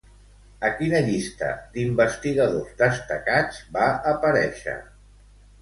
A quina llista d'investigadors destacats va aparèixer?